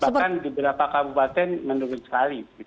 bahkan di beberapa kabupaten menurun sekali